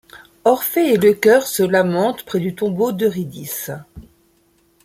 Orphée et le chœur se lamentent près du tombeau d'Eurydice.